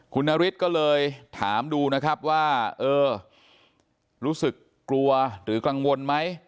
คุณนฤทธิ์ก็เลยถามดูนะครับว่าเออรู้สึกกลัวหรือกังวลไหม